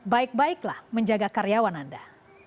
baik baiklah menjaga karyawan anda